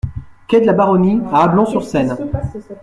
Quai de la Baronnie à Ablon-sur-Seine